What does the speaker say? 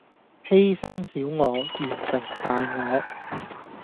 犧牲小我，完成大我